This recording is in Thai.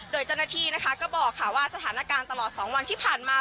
โดยเจ้าหน้าที่นะคะก็บอกค่ะว่าสถานการณ์ตลอด๒วันที่ผ่านมา